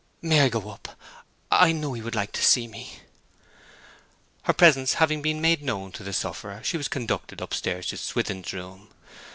'May I go up? I know he would like to see me.' Her presence having been made known to the sufferer, she was conducted upstairs to Swithin's room.